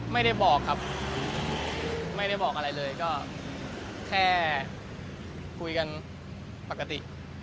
ไม่ได้บอกครับไม่ได้บอกอะไรเลยก็แค่คุยกันปกติ